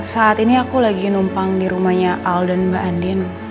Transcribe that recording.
saat ini aku lagi numpang dirumahnya al dan mba andin